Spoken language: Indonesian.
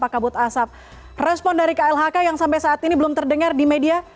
kabut asap respon dari klhk yang sampai saat ini belum terdengar di media